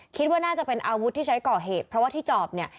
คิดว่าน่าจะเป็นอาวุธที่ใช้ก่อเหตุเพราะว่าที่จอบเนี่ย